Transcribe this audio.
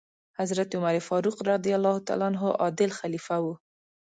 حضرت عمر فاروق رض عادل خلیفه و.